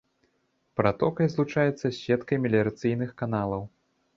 Пратокай злучаецца з сеткай меліярацыйных каналаў.